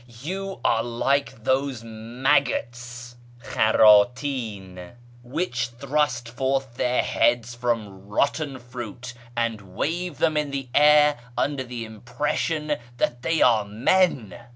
You are like those maggots {khardtin) wdiich thrust forth their heads from rotten fruit and wave them in the air under the impression that they are men.